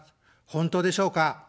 本当でしょうか。